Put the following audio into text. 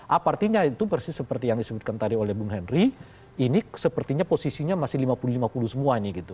apa artinya itu persis seperti yang disebutkan tadi oleh bung henry ini sepertinya posisinya masih lima puluh lima puluh semua ini gitu